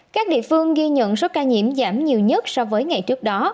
các địa phương ghi nhận số ca nhiễm giảm nhiều nhất so với ngày trước đó